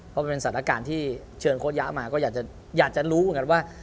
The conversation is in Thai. เพราะมันเป็นสถานการณ์ที่เชิญโค้ยะมาก็อยากจะรู้เหมือนกันว่า